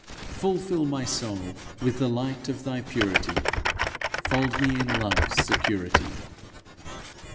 Full fill my soul with the light of thy purity; Fold me in love's security.